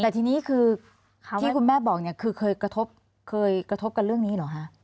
แต่ทีนี้คือที่คุณแม่บอกเนี่ยคือเคยกระทบกันเรื่องนี้เหรอคะ